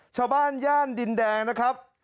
ชาวบ้านย่านดินแดงนะครับ